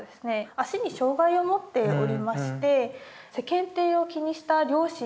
足に障害を持っておりまして世間体を気にした両親がですね